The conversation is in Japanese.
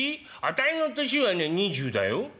あたいの年はね２０だよ」。